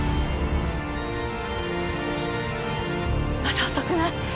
まだ遅くない！